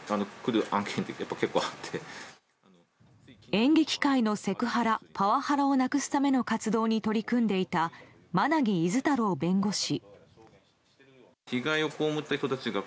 演劇界のセクハラ・パワハラをなくすための活動に取り組んでいた馬奈木厳太郎弁護士。